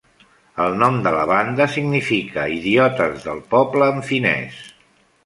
El nom de la banda significa "idiotes del poble" en finès.